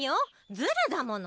ズルだもの。